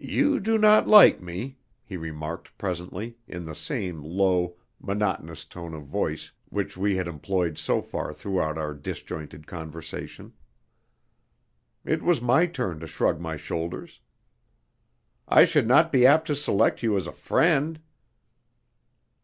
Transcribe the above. "You do not like me," he remarked presently, in the same low, monotonous tone of voice which we had employed so far throughout our disjointed conversation. It was my turn to shrug my shoulders. "I should not be apt to select you as a friend."